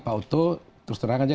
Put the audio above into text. pak oto terus terang aja